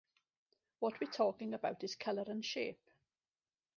What we're talking about is color and shape.